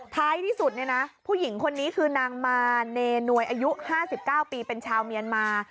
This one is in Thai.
ท้ายที่สุดเนี่ยนะผู้หญิงคนนี้คือนางมาเนนวยอายุ๕๙ปีเป็นชาวเมียนมา